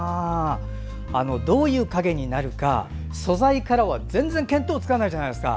どういう影になるか素材からは全然見当がつかないじゃないですか。